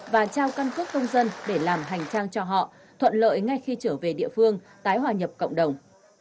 và trao căn cước công dân để làm hành trang cho họ thuận lợi ngay khi trở về địa phương tái hòa nhập cộng đồng